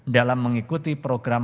dalam mengikuti program